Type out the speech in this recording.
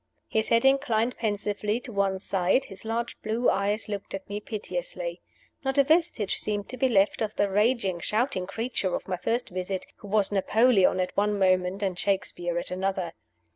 His head inclined pensively to one side; his large blue eyes looked at me piteously. Not a vestige seemed to be left of the raging, shouting creature of my first visit, who was Napoleon at one moment, and Shakespeare at another.